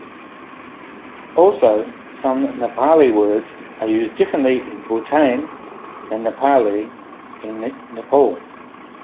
Also, some Nepali words are used differently in Bhutan than Nepali in Nepal.